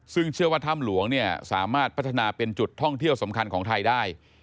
ซึ่งเชื่อว่าถ้ำหลวงเนี่ยสามารถพัฒนาเป็นจุดท่องเที่ยวสำคัญของไทยได้